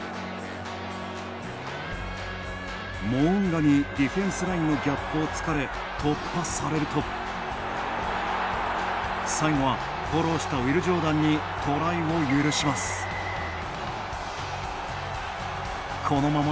モウンガにディフェンスのギャップを突かれ、突破を許すと最後はフォローしたウィル・ジョーダンにトライを許してしまいます。